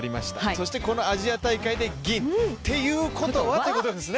そしてこのアジア大会が銀。ということはってことですね。